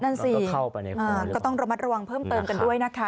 นั่นสิก็เข้าไปในโคลนี่หรือเปล่านะครับก็ต้องระมัดระวังเพิ่มเติมกันด้วยนะคะ